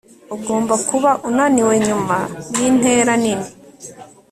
ugomba kuba unaniwe nyuma yintera nini